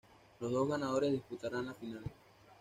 Los dos ganadores disputarán la final.